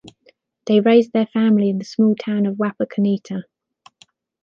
They raised their family in the small town of Wapakoneta.